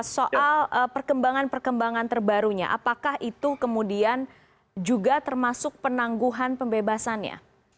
soal perkembangan perkembangan terbarunya apakah itu kemudian juga termasuk penangguhan pembebasannya